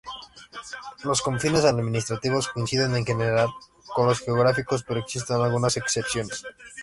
Los confines administrativos coinciden en general con los geográficos, pero existen algunas excepciones.